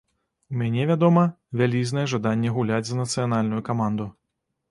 У мяне, вядома, вялізнае жаданне гуляць за нацыянальную каманду.